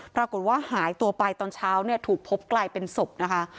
ปรากฏว่าหายตัวไปตอนเช้าเนี่ยถูกพบกลายเป็นศพนะคะ